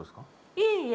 いえいえ